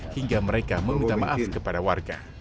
hingga mereka meminta maaf kepada warga